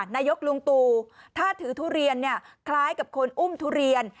นายกลุงตูถ้าถือทุเรียนคล้ายกับคนอุ้มทุเรียน